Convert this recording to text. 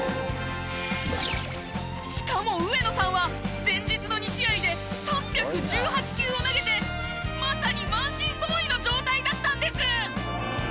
しかも上野さんは前日の２試合で３１８球を投げてまさに満身創痍の状態だったんです！